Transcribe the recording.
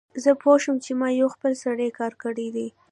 زه پوه شوم چې ما یو خپل سری کار کړی دی